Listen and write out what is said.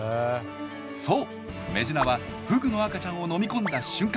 そうメジナはフグの赤ちゃんを飲み込んだ瞬間